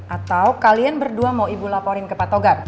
atau kalian berdua mau ibu laporin ke pak togap